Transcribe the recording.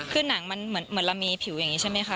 คือหนังมันเหมือนเรามีผิวอย่างนี้ใช่ไหมคะ